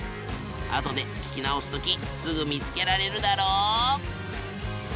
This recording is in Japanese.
あとで聞き直すときすぐ見つけられるだろ？